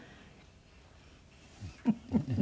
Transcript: フフフフ！